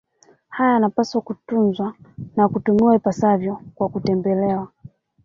Haya yanapaswa kutunzwa na kutumiwa ipasavyo kwa kutembelewa